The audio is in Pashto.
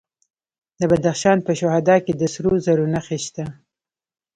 د بدخشان په شهدا کې د سرو زرو نښې شته.